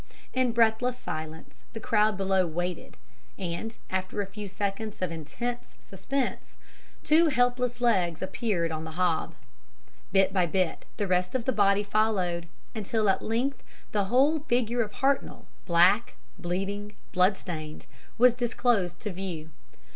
In breathless silence the crowd below waited, and, after a few seconds of intense suspense, two helpless legs appeared on the hob. Bit by bit, the rest of the body followed, until, at length, the whole figure of Hartnoll, black, bleeding, bloodstained, was disclosed to view.